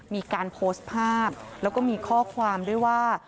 มีการโพสต์ภาพแล้วก็มีข้อความด้วยว่า